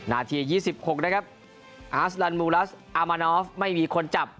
นาที๒๖นะครับอาสดันมูลัสอามานอฟไม่มีคนจับ